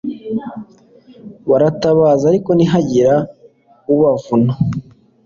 baratabaza, ariko ntihagira ubavuna